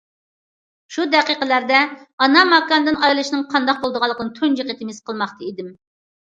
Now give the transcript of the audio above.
شۇ دەقىقىلەردە ئانا ماكاندىن ئايرىلىشنىڭ قانداق بولىدىغانلىقىنى تۇنجى قېتىم ھېس قىلماقتا ئىدىم.